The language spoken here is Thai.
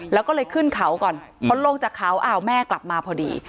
แล้วก็เลยขึ้นเขาก่อนพอลงจากเขาอ้าวแม่กลับมาพอดี